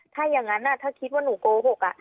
ถ้าอย่างนั้นถ้าคิดว่าหนูโกหก